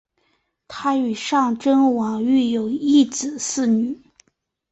她与尚贞王育有一子四女。